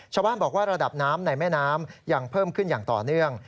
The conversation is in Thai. ชาวบ้านบอกว่าระดับน้ำในแม่น้ำยังเพิ่มขึ้นอย่างต่อเนื่อง